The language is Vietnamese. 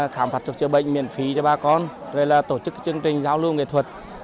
khám phạt thuật chữa bệnh miễn phí cho bà con tổ chức chương trình giao lưu nghệ thuật